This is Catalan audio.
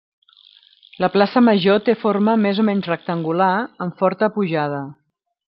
La Plaça Major té forma més o menys rectangular, amb forta pujada.